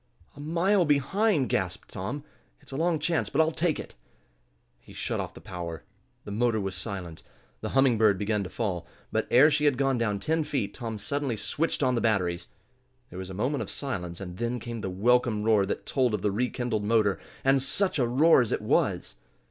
"A mile behind!" gasped Tom. "It's a long chance, but I'll take it." He shut off the power. The motor was silent, the Humming Bird began to fall. But ere she had gone down ten feet Tom suddenly switched on the batteries. There was a moment of silence, and then came the welcome roar that told of the rekindled motor. And such a roar as it was!